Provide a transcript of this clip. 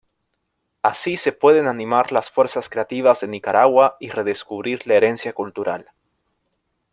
Así se pueden animar las fuerzas creativas de Nicaragua y redescubrir la herencia cultural.